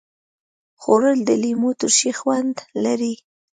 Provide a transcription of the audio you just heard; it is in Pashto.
خوړل د لیمو ترشي خوند لري